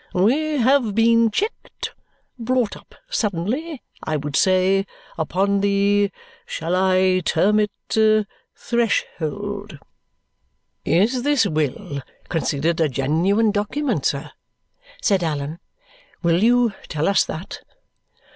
We have been checked brought up suddenly, I would say upon the shall I term it threshold?" "Is this will considered a genuine document, sir?" said Allan. "Will you tell us that?"